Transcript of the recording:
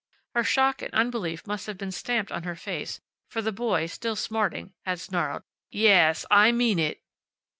Her shock and unbelief must have been stamped on her face, for the boy, still smarting, had snarled, "Ya as, I mean it."